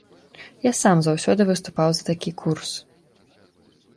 Я сам заўсёды выступаў за такі курс.